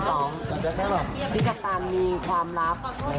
น้องสับตาลหล่อจังเลย